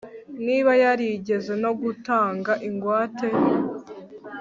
niba yarigeze no gutanga ingwate